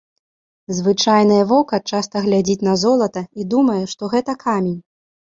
Звычайнае вока часта глядзіць на золата і думае, што гэта камень.